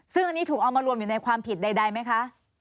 ซึ่งอันนี้ถูกเอามารวมอยู่ในความผิดใดไหมคะ